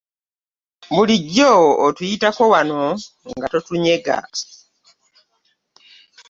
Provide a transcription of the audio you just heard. Bulijjo otuyitako wano nga totunyega!